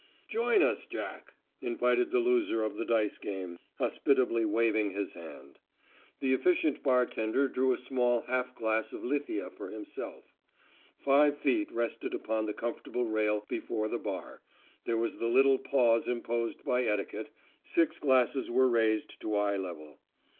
"Join us, Jack," invited the loser of the dice game, hospitably waving his hand. The efficient bartender drew a small half glass of lithia for himself. Five feet rested upon the comfortable rail before the bar, there was the little pause imposed by etiquette, six glasses were raised to eye level.